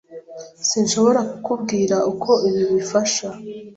Sinshobora kukubwira uko ibi bifasha.